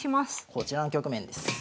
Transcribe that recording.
こちらの局面です。